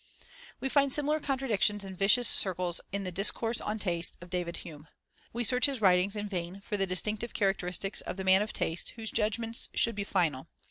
We find similar contradictions and vicious circles in the Discourse on Taste of David Hume. We search his writings in vain for the distinctive characteristics of the man of taste, whose judgments should be final.